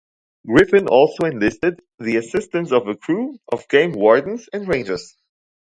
Griffin also enlisted the assistance of a crew of game wardens and rangers.